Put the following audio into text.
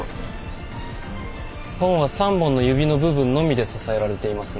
本は３本の指の部分のみで支えられていますね。